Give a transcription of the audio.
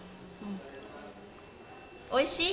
おいしい？